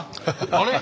あれ？